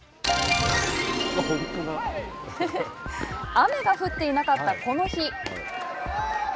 雨が降っていなかった、この日。